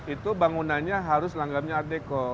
itu bangunannya harus langganpnya art deko